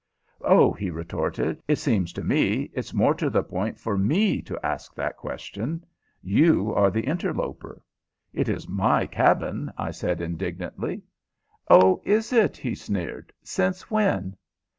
"Oh!" he retorted. "It seems to me it's more to the point for me to ask that question. You are the interloper." "It is my cabin," I said, indignantly. "Oh, is it?" he sneered. "Since when?"